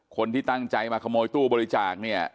คนที่ตั้งใจมาขโมยตู้บริจาคเนี่ย